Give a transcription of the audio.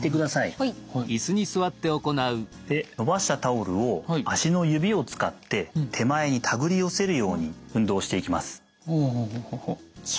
で伸ばしたタオルを足の指を使って手前にたぐり寄せるように運動していきます。